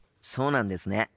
そうなんですね。